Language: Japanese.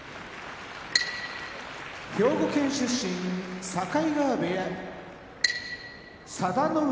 兵庫県出身境川部屋佐田の海